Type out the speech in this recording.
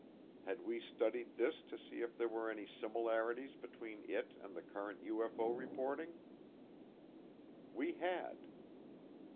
Had we studied this to see if there were any similarities between it and the current UFO reporting? We had.